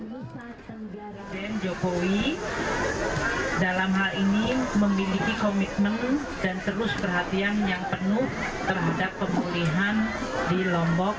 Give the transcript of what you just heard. presiden jokowi dalam hal ini memiliki komitmen dan terus perhatian yang penuh terhadap pemulihan di lombok